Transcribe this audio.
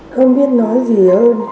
không biết nói gì hơn